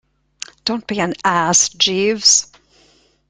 Don't be an ass, Jeeves.